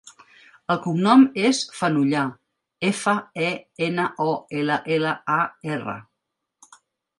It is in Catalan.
El cognom és Fenollar: efa, e, ena, o, ela, ela, a, erra.